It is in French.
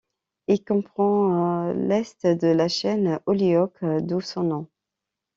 Il comprend l'est de la chaîne Holyoke, d'où son nom.